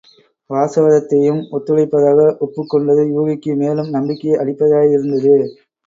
வாசவதத்தையும் ஒத்துழைப்பதாக ஒப்புக் கொண்டது யூகிக்கு மேலும் நம்பிக்கை அளிப்பதாயிருந்தது.